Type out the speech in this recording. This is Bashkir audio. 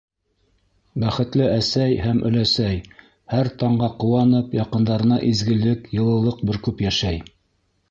Бәхетле әсәй һәм өләсәй һәр таңға ҡыуанып, яҡындарына изгелек, йылылыҡ бөркөп йәшәй.